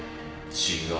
違う。